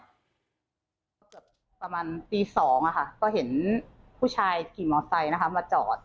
เกือบประมาณปี๒อะค่ะก็เห็นผู้ชายกินมอเซย์นะครับมาจอด